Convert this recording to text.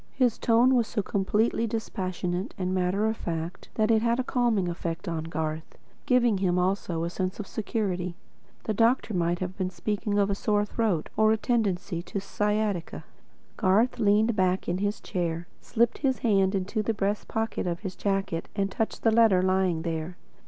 His tone was so completely dispassionate and matter of fact, that it had a calming effect on Garth, giving him also a sense of security. The doctor might have been speaking of a sore throat, or a tendency to sciatica. Garth leaned back in his chair, slipped his hand into the breast pocket of his jacket, and touched a letter lying there.